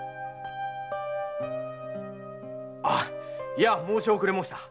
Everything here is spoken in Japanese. いや申し遅れました。